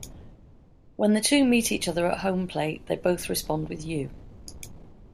When the two meet each other at home plate, they both respond with You!